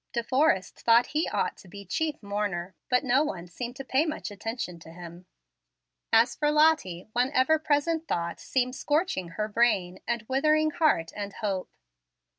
De Forrest thought he ought to be "chief mourner," but no one seemed to pay much attention to him. As for Lottie, one ever present thought seemed scorching her brain and withering heart and hope.